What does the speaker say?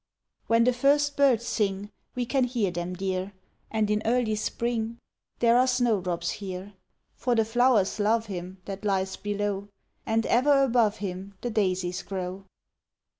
When the first birds sing We can hear them, dear, And in early spring There are snowdrops here. For the flowers love him That lies below, And ever above him The daisies grow.